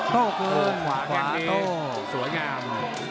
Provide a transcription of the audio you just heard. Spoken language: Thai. โทษลงหัวขวาโตสวยงาม